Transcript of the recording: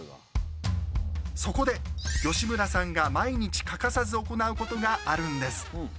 そこで吉村さんが毎日欠かさず行うことがあるんです。